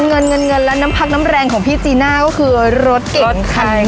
นี่แหละค่ะเงินแล้วน้ำพักน้ำแรงของพี่จีน่าก็คือรสเก่งค่ะ